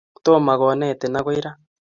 Tomokonetin akoi ra